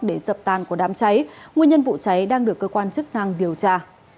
để dập tàn của đám cháy nguyên nhân vụ cháy đang được cơ quan chức năng điều tra